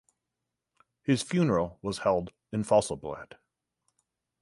His funeral was held in Faisalabad.